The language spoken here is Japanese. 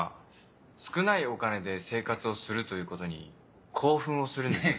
少ないお金で生活をするということに興奮をするんですよね。